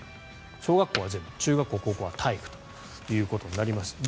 小学校は全部中学校、高校は体育となります。